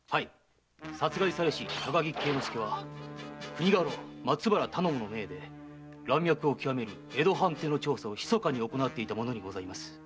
殺害されし高木恵之介は国家老・松原頼母の命で乱脈を極める江戸藩邸の調査を秘かに行っていた者にございます。